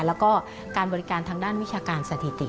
แล้วก็การบริการทางด้านวิชาการสถิติ